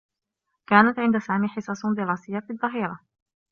كانت عند سامي حصص دراسيّة في الظّهيرة.